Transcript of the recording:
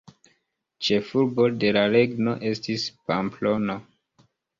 Ĉefurbo de la regno estis Pamplono.